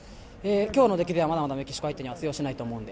今日の出来ではまだまだメキシコには通用しないと思うので。